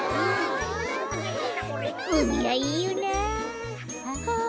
うみはいいよなあ。